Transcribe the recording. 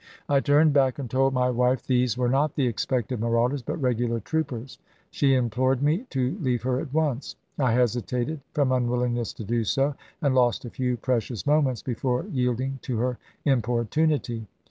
I turned hack and told my wife these were not the expected marauders, hut regular troopers. She implored me to leave her at once. I hesi Mayio,i865. tated, from unwillingness to do so, and lost a few precious moments before yielding to her importunity.